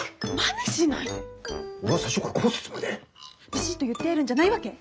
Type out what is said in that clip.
ビシッと言ってやるんじゃないわけ？